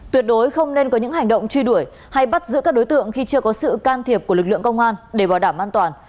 tuyệt đối không nên có những hành động truy đuổi hay bắt giữ các đối tượng khi chưa có sự can thiệp của lực lượng công an để bảo đảm an toàn